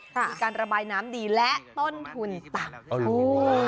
มีการระบายน้ำดีและต้นทุนต่ำ